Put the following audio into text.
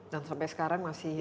dan sampai sekarang masih ini ya